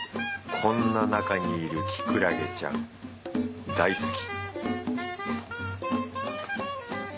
こんななかにいるキクラゲちゃん大好き